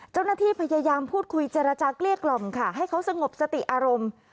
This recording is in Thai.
เจ้าหน้าที่พยายามพูดคุยเจรจาเกลี้ยกล่อมค่ะให้เขาสงบสติอารมณ์